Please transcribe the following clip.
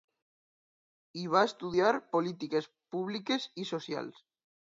Hi va estudiar Polítiques Publiques i Socials.